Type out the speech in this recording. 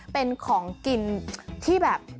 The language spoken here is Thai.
เป็นของกินที่แบบ